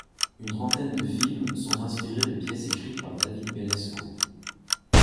Une trentaine de films sont inspirés de pièces écrites par David Belasco.